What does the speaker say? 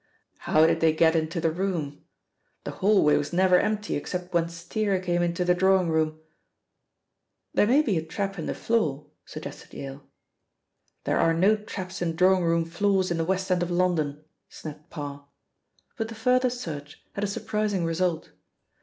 "How did they get into the room? The hall way was never empty except when Steere came into the drawing room." "There may be a trap in the floor," suggested Yale. "There are no traps in drawing room floors in the West End of London," snapped Parr, but a further search had a surprising result.